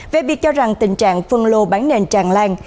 về việc cho rằng tình trạng phân lô bán nền tràn lan